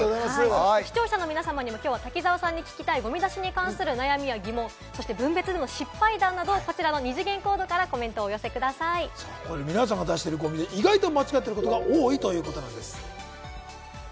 視聴者の皆様にも滝沢さんに聞きたい、ごみ出しに関するお悩みや疑問、そして分別での失敗談などをこちらの二次元コードからコメントを皆さんが出してるごみで意外と間違っていることが多いということです。